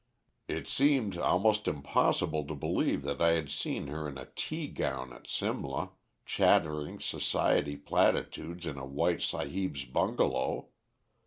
It seemed almost impossible to believe that I had seen her in a tea gown at Simla, chattering Society platitudes in a white sahib's bungalow.